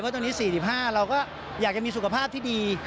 ตอนนี้๔๕เราก็อยากจะมีสุขภาพที่ดี